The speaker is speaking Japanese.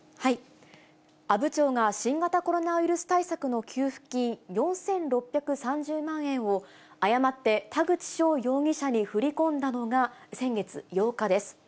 阿武町が新型コロナウイルス対策の給付金４６３０万円を、誤って田口翔容疑者に振り込んだのが、先月８日です。